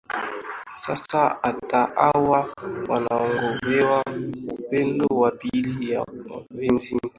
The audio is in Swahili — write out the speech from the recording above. sasa hata hawa wanaogombea upande wa pili ya wapinzani